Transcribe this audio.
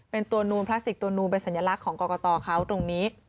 เป็นตัวนูนพลาสติกตัวนูนเป็นสัญลักษณ์ของกรกตเขาตรงนี้